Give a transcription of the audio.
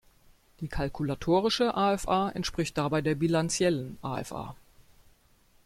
Die kalkulatorische AfA entspricht dabei der bilanziellen AfA.